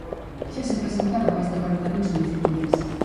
Xa se presentaron máis de corenta mil solicitudes.